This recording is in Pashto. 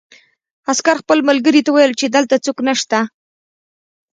عسکر خپل ملګري ته وویل چې دلته څوک نشته